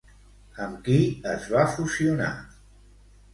Amb qui es va fusionar?